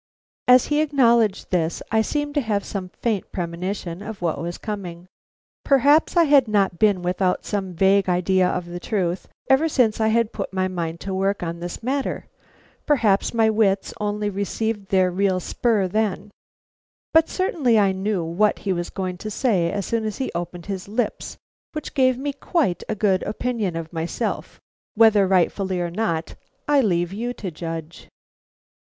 As he acknowledged this, I seemed to have some faint premonition of what was coming. Perhaps I had not been without some vague idea of the truth ever since I had put my mind to work on this matter; perhaps my wits only received their real spur then; but certainly I knew what he was going to say as soon as he opened his lips, which gave me quite a good opinion of myself, whether rightfully or not, I leave you to judge.